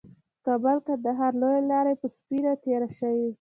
کابل قندهار لویه لاره یې په سینه تېره شوې